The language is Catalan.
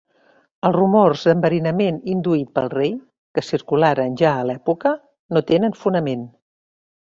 Els rumors d'enverinament induït pel rei, que circularen ja a l'època, no tenen fonament.